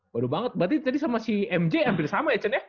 waduh banget berarti tadi sama si mj hampir sama ya chen ya